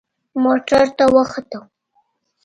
موټر ته وختم.